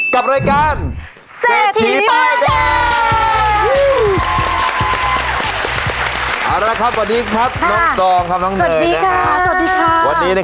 กับรายการที่จะเปิดเคล็ดลับการทำเงินใหม่